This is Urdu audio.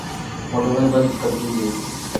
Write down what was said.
موٹروے بند کردی گئی۔